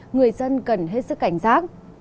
người dân cần hết sức cảnh giác